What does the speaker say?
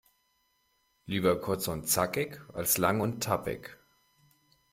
Lieber kurz und zackig als lang und tappig.